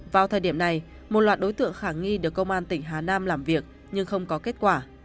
vào thời điểm này một loạt đối tượng khả nghi được công an tỉnh hà nam làm việc nhưng không có kết quả